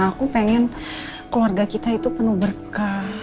aku pengen keluarga kita itu penuh berkah